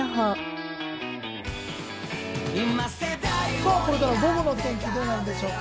さぁ、これからの午後のお天気どうなるんでしょうか。